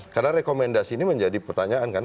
karena rekomendasi ini menjadi pertanyaan kan